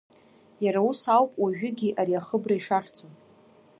Иара ус ауп уажәыгьы ари ахыбра ишахьӡу.